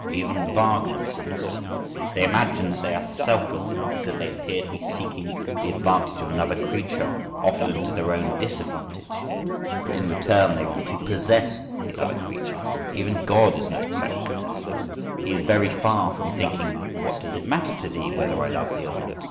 Even Wagner misunderstood it. They imagine that they are selfless in it because they appear to be seeking the advantage of another creature often to their own disadvantage. But in return they want to possess the other creature.… Even God is no exception to this rule, he is very far from thinking "What does it matter to thee whether I love thee or not?"